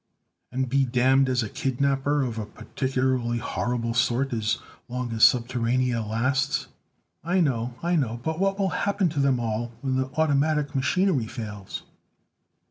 "And be damned as a kidnapper of a particularly horrible sort, as long as Subterranea lasts!" "I know. I know. But what will happen to them all when the automatic machinery fails?"